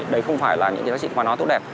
đấy không phải là những cái gì mà nó tốt đẹp